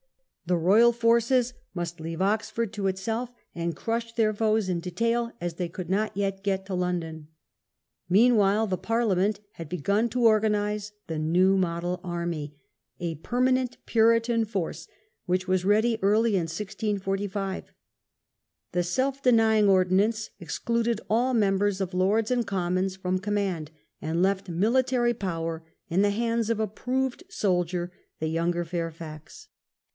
The Royal forces must leave Oxford to itself, and crush their foes in detail, as they could not yet get to London.. Meanwhile, the Parliament had begun to organize the "New Model Army", a permanent Puritan force, which was ready early in 1645. The "Self denying Ordinance" excluded all members of Lords and Commons from com mand, and left military power in the hands of a proved soldier, the younger Fairfax.